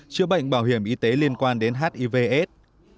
chữa bệnh bảo hiểm y tế liên quan đến hiv aids